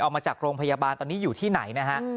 เอามาจากโรงพยาบาลตอนนี้อยู่ที่ไหนนะฮะ